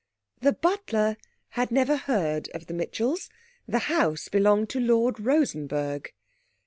The butler had never heard of the Mitchells. The house belonged to Lord Rosenberg.